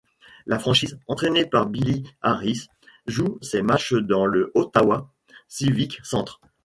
La franchise, entraînée par Billy Harris, joue ses matchs dans le Ottawa Civic Centre.